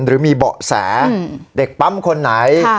หรือมีเบาะแสเด็กปั๊มคนไหน